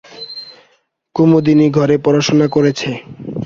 কুমুদিনী ঘরে পড়াশুনো করেছে।